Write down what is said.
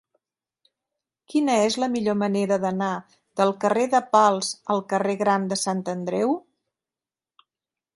Quina és la millor manera d'anar del carrer de Pals al carrer Gran de Sant Andreu?